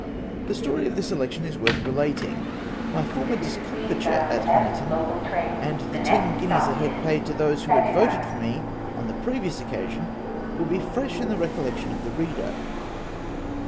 The story of this election is worth relating. My former discomfiture at Honiton, and the ten guineas a head paid to those who had voted for me on the previous occasion, will be fresh in the recollection of the reader.